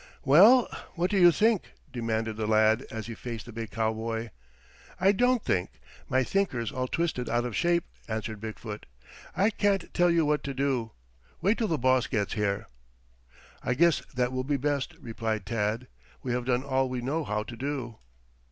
"Well, what do you think?" demanded the lad, as he faced the big cowboy. "I don't think. My thinker's all twisted out of shape," answered Big foot. "I can't tell you what to do. Wait till the boss gets here." "I guess that will be best," replied Tad. "We have done all we know how to do."